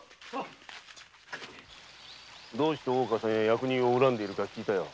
どうして大岡さんや役人を恨んでいるのか聞いたよ。